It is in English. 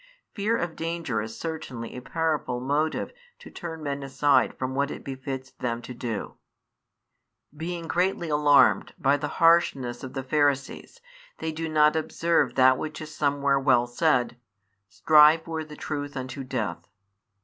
Fear of danger is certainly a powerful motive to turn men aside from what it befits them to do. Being greatly alarmed by the harshness of the Pharisees, they do not observe that which is somewhere well said: Strive for the truth unto death.